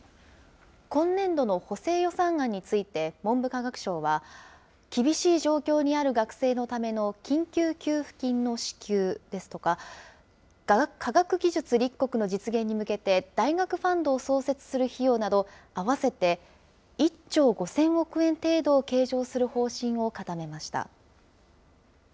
今年度の補正予算案について文部科学省は、厳しい状況にある学生のための緊急給付金の支給ですとか、科学技術立国の実現に向けて、大学ファンドを創設する費用など、合わせて１兆５０００億円程度を計上する方針を固めました。